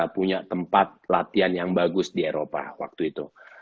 punya tempat latihan yang bagus di eropa waktu itu